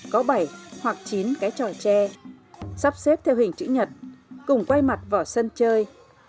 có bảy hoặc chín cái tròi tre sắp xếp theo hình chữ nhật cùng quay mặt vào sân chơi